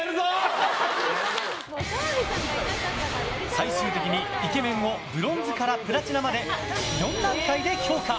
最終的にイケメンをブロンズからプラチナまで４段階で評価。